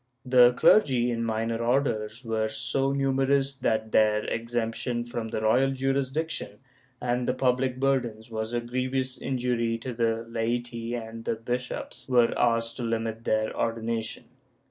The clergy in minor orders were so numerous that their exemption from the royal jurisdiction and the public burdens was a grievous injury to the laity and the bishops were asked to limit their ordination.